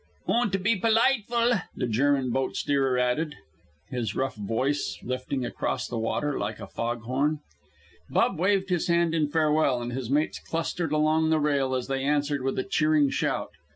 "Und be politeful!" the German boat steerer added, his rough voice lifting across the water like a fog horn. Bub waved his hand in farewell, and his mates clustered along the rail as they answered with a cheering shout.